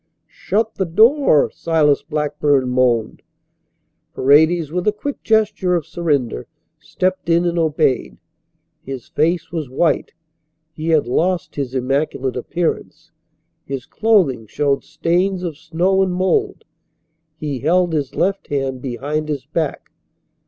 "Shut the door," Silas Blackburn moaned. Paredes, with a quick gesture of surrender, stepped in and obeyed. His face was white. He had lost his immaculate appearance. His clothing showed stains of snow and mould. He held his left hand behind his back.